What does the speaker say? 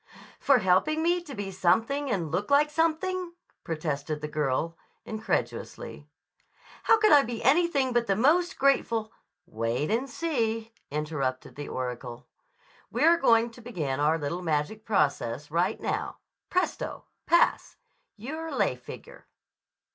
"For helping me to be something and look like something?" protested the girl incredulously. "How could I be anything but the most grateful—" "Wait and see," interrupted the oracle. "We're going to begin our little magic process right now. Presto—pass! You're a lay figure."